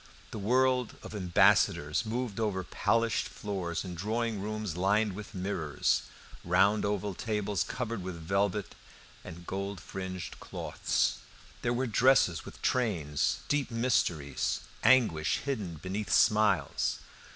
The world of ambassadors moved over polished floors in drawing rooms lined with mirrors, round oval tables covered with velvet and gold fringed cloths. There were dresses with trains, deep mysteries, anguish hidden beneath smiles.